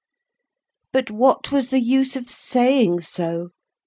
But what was the use of saying so?